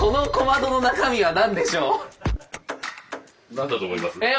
何だと思います？え？